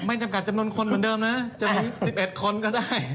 จำกัดจำนวนคนเหมือนเดิมนะจะมี๑๑คนก็ได้